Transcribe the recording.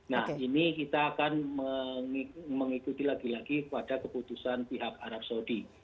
nah ini kita akan mengikuti lagi lagi pada keputusan pihak arab saudi